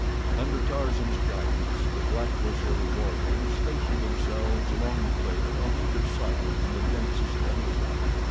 Under Tarzan's guidance the black Waziri warriors stationed themselves along the trail on either side in the densest underbrush.